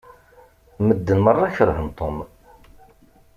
Medden meṛṛa keṛhen Tom.